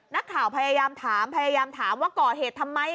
นักข่าวพยายามถามพยายามถามว่าก่อเหตุทำไม